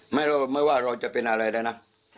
ไม่ว่าเราจะเป็นอะไรได้นะ